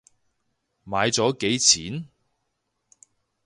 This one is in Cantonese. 買咗幾錢？